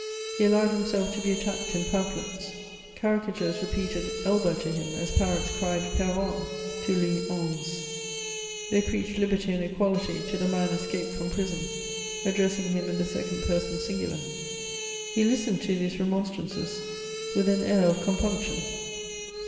He allowed himself to be attacked in pamphlets; caricatures repeated "Elba" to him as parrots cried "Péronne" to Louis XI. They preached liberty and equality to the man escaped from prison, addressing him in the second person singular; he listened to these remonstrances with an air of compunction.